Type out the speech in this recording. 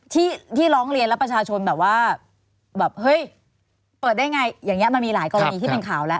ที่ที่ร้องเรียนแล้วประชาชนแบบว่าแบบเฮ้ยเปิดได้ไงอย่างนี้มันมีหลายกรณีที่เป็นข่าวแล้ว